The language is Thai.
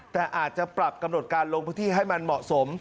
แต่อาจจะปรับกำหนดการลงพื้นที่ให้มันเหมาะสม